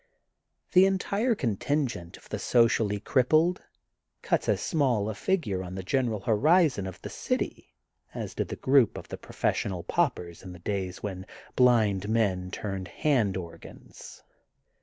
The entire contingent of the socially crippled cuts as small a figure on the general horizon of the city as did the group of the professional pau pers in the days when blind men turned hand organs.